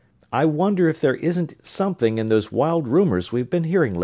"I wonder if there isn't something in those wild rumors we've been hearing lately?"